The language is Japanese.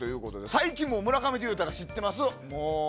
最近も村上でいったら知ってます。